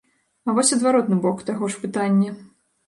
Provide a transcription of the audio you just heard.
А вось адваротны бок таго ж пытання.